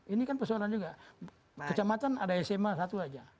ini kan persoalan juga kecamatan ada sma satu aja